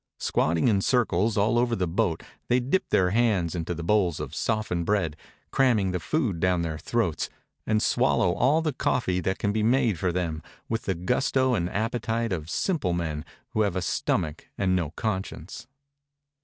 Squatting in circles all over the boat they dip their hands into the bowls of softened bread, cramming the food down their throats, and swallow all the coffee that can be made for them, with the gusto and appetite of simple mjen who have a stomach and no conscience.